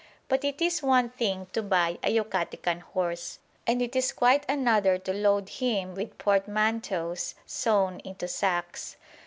But it is one thing to buy a Yucatecan horse, and it is quite another to load him with portmanteaux sewn into sacks.